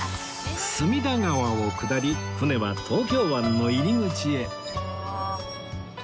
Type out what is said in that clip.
隅田川を下り船は東京湾の入り口へ